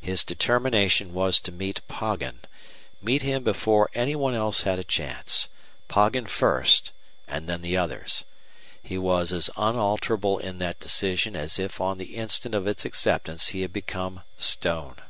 His determination was to meet Poggin; meet him before any one else had a chance Poggin first and then the others! He was as unalterable in that decision as if on the instant of its acceptance he had become stone.